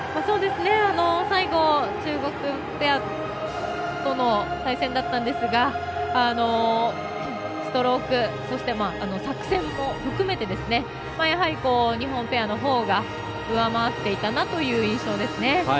最後、中国ペアとの対戦だったんですがストローク、そして作戦も含めて日本ペアのほうが上回っていたなという印象ですね。